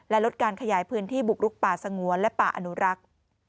ลดการขยายพื้นที่บุกลุกป่าสงวนและป่าอนุรักษ์